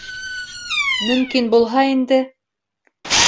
- Мөмкин булһа инде...